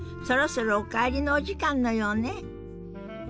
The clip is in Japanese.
そろそろお帰りのお時間のようね。